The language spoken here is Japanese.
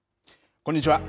こんにちは。